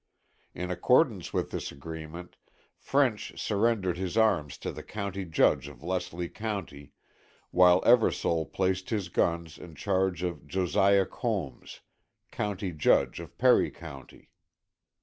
In accordance with this agreement, French surrendered his arms to the county judge of Leslie County, while Eversole placed his guns in charge of Josiah Combs, county judge of Perry County.